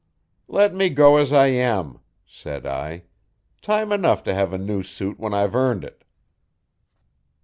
'Let me go as I am,' said I. 'Time enough to have a new suit when I've earned it.'